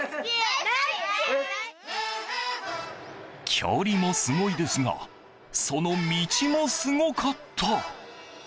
距離もすごいですがその道もすごかった。